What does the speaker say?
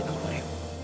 sekarang kita mau rem